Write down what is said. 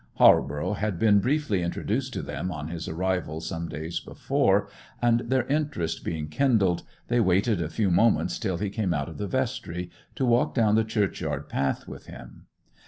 Halborough had been briefly introduced to them on his arrival some days before, and, their interest being kindled, they waited a few moments till he came out of the vestry, to walk down the churchyard path with him.